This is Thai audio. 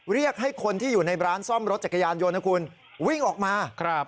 เรียกให้คนที่อยู่ในร้านซ่อมรถจักรยานยนต์นะคุณวิ่งออกมาครับ